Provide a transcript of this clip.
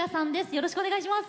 よろしくお願いします。